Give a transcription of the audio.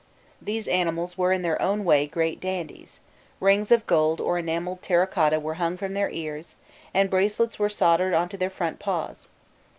These animals were in their own way great dandies: rings of gold or enamelled terra cotta were hung from their ears, and bracelets were soldered on to their front paws.